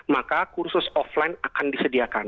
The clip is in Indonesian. maka kursus offline akan disediakan